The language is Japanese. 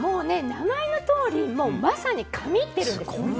名前のとおりまさに神ってるんです。